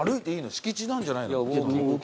敷地なんじゃないの？